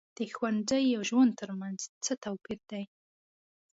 د ښوونځي او ژوند تر منځ څه توپیر دی.